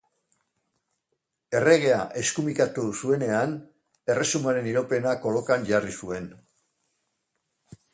Erregea eskumikatu zuenean erresumaren iraupena kolokan jarri zuen.